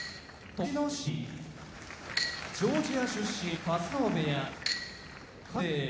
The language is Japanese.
栃ノ心ジョージア出身春日野部屋魁聖